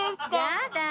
やだ。